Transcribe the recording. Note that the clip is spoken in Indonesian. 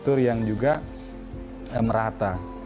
struktur yang juga merata